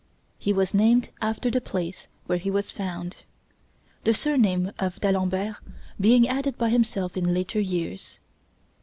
He was named after the place where he was found; the surname of D'Alembert being added by himself in later years.